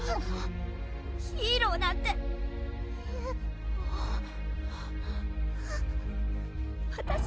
ヒーローなんてえるわたし